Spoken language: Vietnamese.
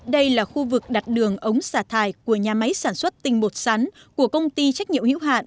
đây là khu vực đặt đường ống xả thải của nhà máy sản xuất tinh bột sắn của công ty trách nhiệm hữu hạn